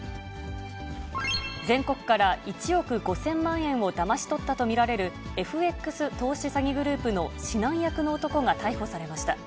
全国から１億５０００万円をだまし取ったと見られる、ＦＸ投資詐欺グループの指南役の男が逮捕されました。